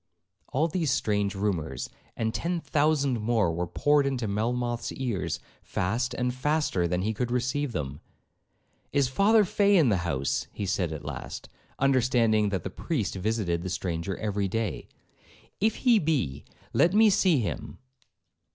All these strange rumours, and ten thousand more, were poured into Melmoth's ears, fast and faster than he could receive them. 'Is Father Fay in the house,' said he at last, understanding that the priest visited the stranger every day; 'if he be, let me see him.'